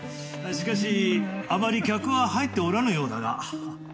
しかしあまり客は入っておらぬようだな。